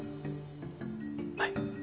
はい。